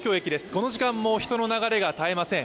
この時間も人の流れが絶えません。